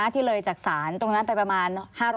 ที่เลยจากศาลตรงนั้นไปประมาณ๕๐๐